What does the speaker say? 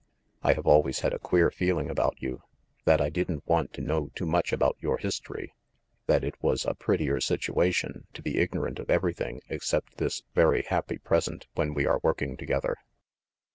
I have always had a queer feeling about you, ‚ÄĒ that I didn't want to know too much about your history; that it was a prettier situation to be ignorant of everything except this very happy present when we are working together."